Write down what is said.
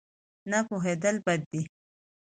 نه پوهېدل بد دی.